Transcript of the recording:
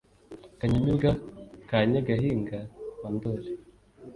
Kanyamibwa ka Nyagahinga wa Ndoli